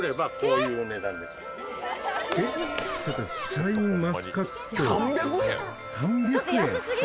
シャインマスカット３００円？